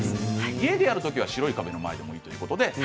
家でやるときは白い壁の前でもいいということです。